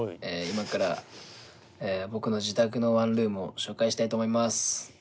今から僕の自宅のワンルームを紹介したいと思います。